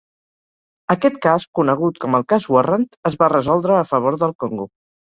Aquest cas, conegut com el "Cas Warrant", es va resoldre a favor del Congo.